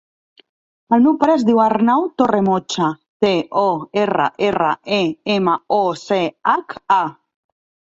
El meu pare es diu Arnau Torremocha: te, o, erra, erra, e, ema, o, ce, hac, a.